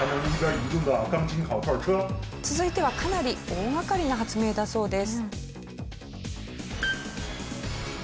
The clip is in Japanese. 続いてはかなり大掛かりな発明だそうです。